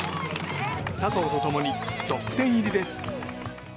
笹生と共にトップ１０入りです。